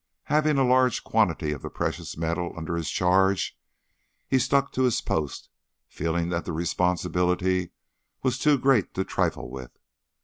Having a very large quantity of the precious metal under his charge, he stuck to his post, feeling that the responsibility was too great to trifle with.